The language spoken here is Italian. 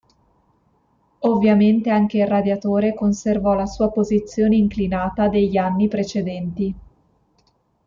Ovviamente anche il radiatore conservò la sua posizione inclinata degli anni precedenti.